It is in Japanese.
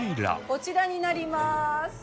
こちらになります。